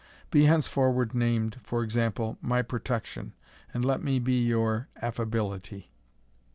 Be henceforward named, for example, my Protection, and let me be your Affability."